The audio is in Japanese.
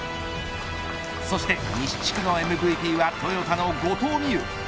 そして西地区のＭＶＰはトヨタの後藤希友。